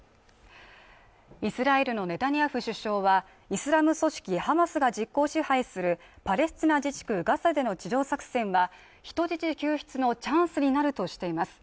イスラエルのネタニヤフ首相はイスラム組織ハマスが実効支配するパレスチナ自治区ガザでの地上作戦は人質救出のチャンスになるとしています